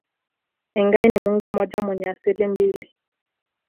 Engai ni Mungu mmoja mwenye asili mbili